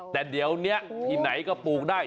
แต่เดี๋ยวนี้ที่ไหนก็ปลูกได้